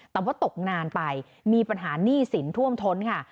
แต่ว่าตกงานไปมีปัญหาหนี้สินท่วมท้นค่ะ